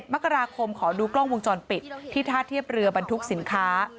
มกราคมขอดูกล้องวงจรปิดที่ท่าเทียบเรือบรรทุกสินค้า